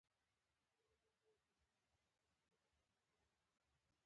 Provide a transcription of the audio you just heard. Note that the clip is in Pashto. خپل جسم ته پاملرنه د ښه ژوند لپاره اړینه ده.